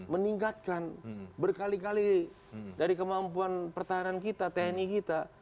meningkatkan berkali kali dari kemampuan pertahanan kita tni kita